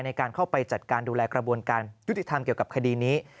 ในการเข้าไปจัดการดูแลกระบวนการยุติธรรมเกี่ยวกับคดีนี้